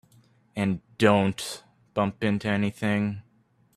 And don't bump into anything.